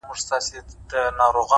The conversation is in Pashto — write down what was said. هر منزل د زحمت غوښتنه کوي,